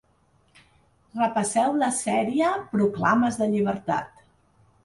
Repasseu la sèrie ‘Proclames de llibertat’